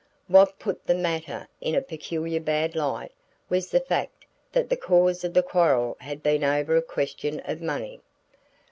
What put the matter in a peculiarly bad light, was the fact that the cause of the quarrel had been over a question of money.